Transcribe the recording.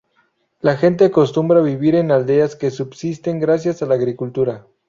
La gente acostumbra vivir en aldeas que subsisten gracias a la agricultura.